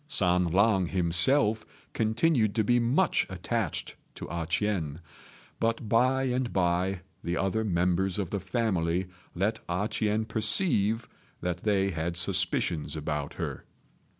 San lang himself continued to be much attached to A ch'ien; but by and by the other members of the family let A ch'ien perceive that they had suspicions about her.